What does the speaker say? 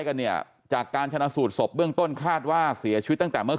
กันเนี่ยจากการชนะสูตรศพเบื้องต้นคาดว่าเสียชีวิตตั้งแต่เมื่อ